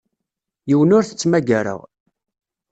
Yiwen ur t-ttmagareɣ.